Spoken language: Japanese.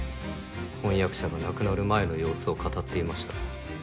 婚約者が亡くなる前の様子を語っていました。